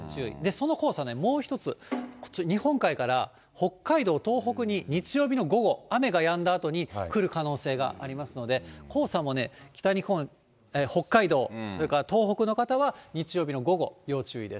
その黄砂ね、もう一つ、こっち、日本海から北海道、東北に、日曜日の午後、雨がやんだあとに来る可能性がありますので、黄砂もね、北日本、北海道、それから東北の方は日曜日の午後、要注意です。